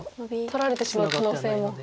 取られてしまう可能性も。